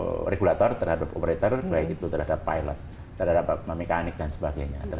atau regulator terhadap operator baik itu terhadap pilot terhadap mekanik dan sebagainya